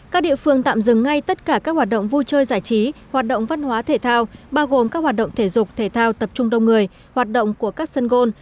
các địa phương tạm dừng ngay tất cả các hoạt động vui chơi giải trí hoạt động văn hóa thể thao bao gồm các hoạt động thể dục thể thao tập trung đông người hoạt động của các sân gôn